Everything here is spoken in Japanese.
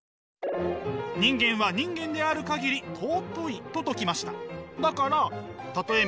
人間は人間である限り尊いと説きました。